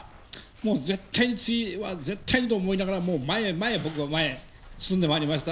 もう絶対に次は絶対にと思いながら、前へ前へ、僕は前へ進んでまいりました。